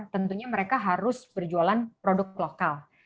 tentunya mereka harus berjualan produk lokal